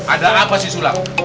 ada apa si sulam